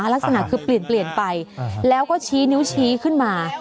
ลักษณะคือเปลี่ยนไปแล้วก็ชี้นิ้วชี้ขึ้นมา